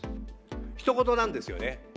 ひと事なんですよね。